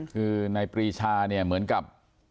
คือในปรีชาเหมือนกับ